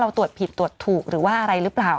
ตรวจผิดตรวจถูกหรือว่าอะไรหรือเปล่า